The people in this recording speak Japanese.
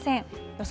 予想